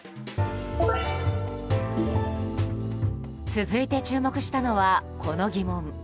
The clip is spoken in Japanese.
続いて注目したのはこの疑問。